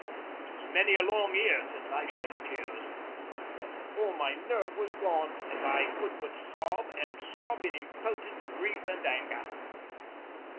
It is many a long year since I shed tears, but all my nerve was gone, and I could but sob and sob in impotent grief and anger.